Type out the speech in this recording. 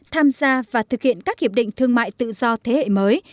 tham gia và thực hiện các hiệp định thương mại tự do thế hệ mới